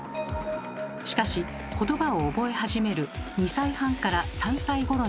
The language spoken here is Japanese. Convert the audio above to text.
しかしことばを覚え始める２歳半から３歳ごろになると。